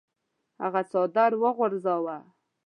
هغه څادر وغورځاوه.